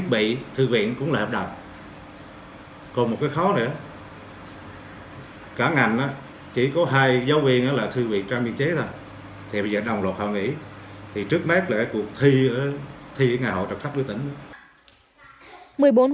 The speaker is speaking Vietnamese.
thì trước mắt là cuộc thi ở nhà hội trọc sách với tỉnh